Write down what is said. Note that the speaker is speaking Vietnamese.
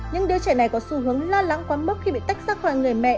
những đứa trẻ này có xu hướng lo lắng quá mức khi bị tách ra khỏi người mẹ